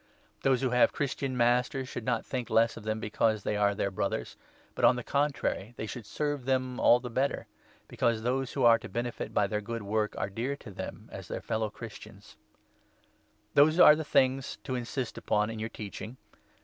Those who have Christian 2 masters should not think less of them because they are their Brothers, but on the contrary they should serve them all the better, because those who are to benefit by their good work are dear to them as their fellow Christians. IV. — CONCLUSION. Those are the things to insist upon in your T FalM° teaching.